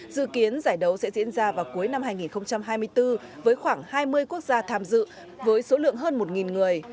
dự kiến giải đấu sẽ diễn ra vào cuối năm hai nghìn hai mươi bốn với khoảng hai mươi quốc gia tham dự với số lượng hơn một người